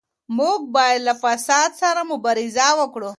موږ بايد له فساد سره مبارزه وکړو.